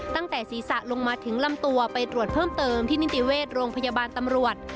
ตั้งแต่ศีรษะลงมาถึงลำตัวไปตรวจเพิ่มเติมที่นิติเวชโรงพยาบาลตำรวจ